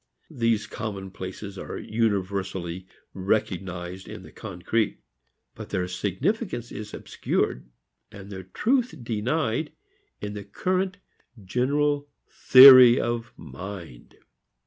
These commonplaces are universally recognized in the concrete; but their significance is obscured and their truth denied in the current general theory of mind.